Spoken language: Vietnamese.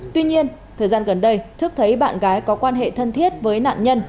tuy nhiên thời gian gần đây thức thấy bạn gái có quan hệ thân thiết với nạn nhân